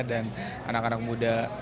dan anak anak muda